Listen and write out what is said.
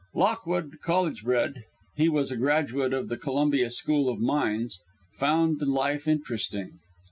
Lockwood, college bred he was a graduate of the Columbia School of Mines found the life interesting.